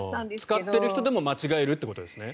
使っている人でも間違えるってことですね。